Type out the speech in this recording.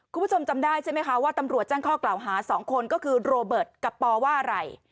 คุณผู้ชมจำได้ใช่ไหมคะว่าตำรวจแจ้งข้อกล่าวหา๒คนก็คือโรเบิร์ตกับปอว่าอะไร